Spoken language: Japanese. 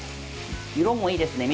色もいいですね。